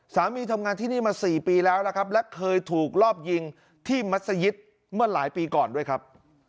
สามีทำงานที่นี่มา๔ปีแล้วนะครับและเคยถูกรอบยิงที่มัศยิตเมื่อหลายปีก่อนด้วยครับ